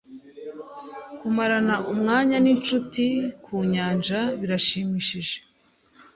Kumarana umwanya ninshuti kumyanyanja birashimishije.